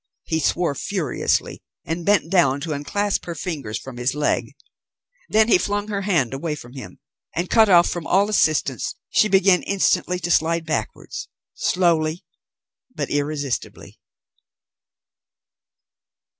He swore furiously, and bent down to unclasp her fingers from his leg. Then he flung her hand away from him; and cut off from all assistance she began instantly to slide backwards, slowly but irresistibly.